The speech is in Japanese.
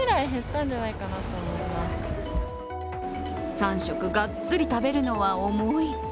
３食がっつり食べるのは重い。